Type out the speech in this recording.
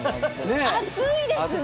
熱いですね！